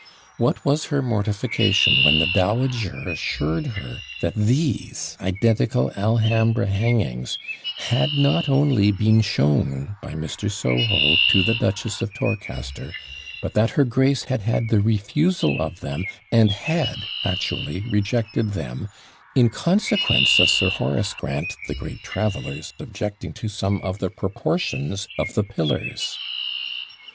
What was her mortification when the dowager assured her that these identical Alhambra hangings had not only been shown by Mr. Soho to the Duchess of Torcaster, but that her grace had had the refusal of them, and had actually rejected them, in consequence of Sir Horace Grant the great traveller's objecting to some of the proportions of the pillars.